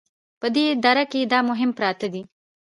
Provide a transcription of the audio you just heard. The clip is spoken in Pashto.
په دې دره کې دا مهم پراته دي